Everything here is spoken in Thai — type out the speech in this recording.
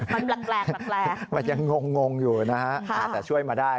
มันแปลกมันยังงงอยู่นะฮะแต่ช่วยมาได้